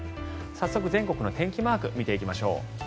早速、全国の天気マークを見ていきましょう。